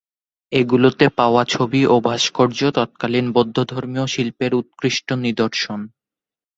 এগুলোতে পাওয়া ছবি ও ভাস্কর্য, তৎকালীন বৌদ্ধধর্মীয় শিল্পের উৎকৃষ্ট নিদর্শন।